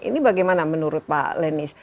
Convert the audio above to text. ini bagaimana menurut pak lenis